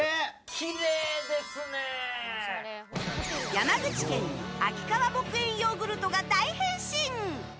山口県秋川牧園ヨーグルトが大変身！